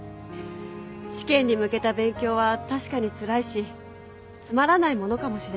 試験に向けた勉強は確かにつらいしつまらないものかもしれない。